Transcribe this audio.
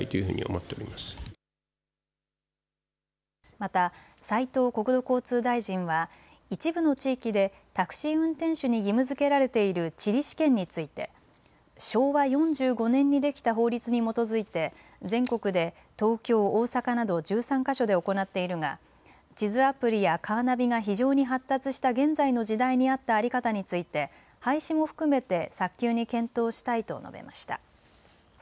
また斉藤国土交通大臣は一部の地域でタクシー運転手に義務づけられている地理試験について昭和４５年にできた法律に基づいて全国で東京、大阪など１３か所で行っているが地図アプリやカーナビが非常に発達した現在の時代に合った在り方について廃止も含めて早急に検討したいと述べました。